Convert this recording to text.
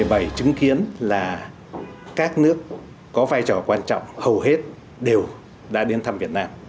trong năm hai nghìn một mươi bảy chứng kiến là các nước có vai trò quan trọng hầu hết đều đã đến thăm việt nam